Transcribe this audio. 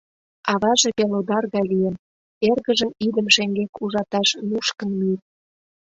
Аваже пелодар гай лийын, эргыжым идым шеҥгек ужаташ нушкын миен.